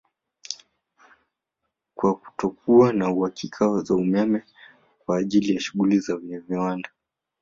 Kwani kutakuwa na uhakika wa umeme kwa ajili ya shughuli za viwanda